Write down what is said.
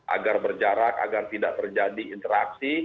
agar berjarak agar tidak terjadi interaksi